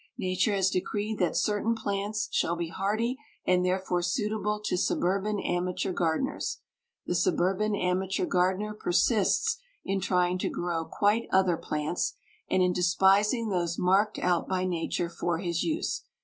Nature has decreed that certain plants shall be hardy, and therefore suitable to suburban amateur gardeners; the suburban amateur gardener persists in trying to grow quite other plants, and in despising those marked out by Nature for his use.